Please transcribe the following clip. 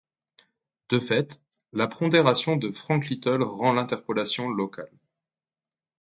De fait, la pondération de Franke-Little rend l'interpolation locale.